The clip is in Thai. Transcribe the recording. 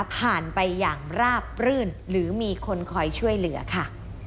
ผ่านไปอย่างราบรื่นหรือมีคนคอยช่วยเหลือค่ะ